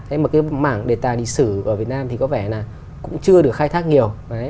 thế mà cái mảng đề tài lịch sử ở việt nam thì có vẻ là cũng chưa được khai thác nhiều